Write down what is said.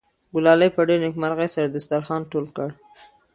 ګلالۍ په ډېرې نېکمرغۍ سره دسترخوان ټول کړ.